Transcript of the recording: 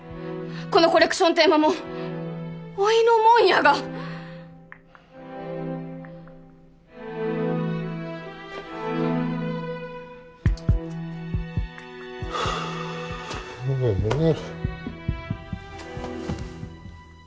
このコレクションテーマもおいのもんやがええええ